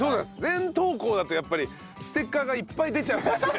全投稿だとやっぱりステッカーがいっぱい出ちゃうので。